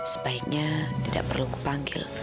sebaiknya tidak perlu kupanggil